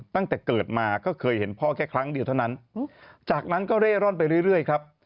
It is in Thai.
ตั้งแต่เกิดมาก็เคยเห็นพ่อแค่ครั้งเดียวเท่านั้นจากนั้นก็เร่ร่อนไปเรื่อยครับ